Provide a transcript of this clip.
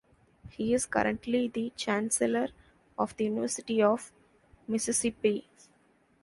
He is currently the chancellor of the University of Mississippi.